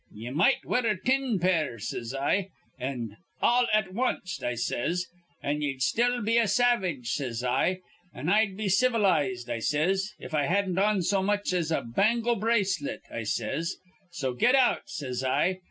'Ye might wear tin pair,' says I, 'an' all at wanst,' I says, 'an' ye'd still be a savage,' says I; 'an' I'd be civilized,' I says, 'if I hadn't on so much as a bangle bracelet,' I says. 'So get out,' says I.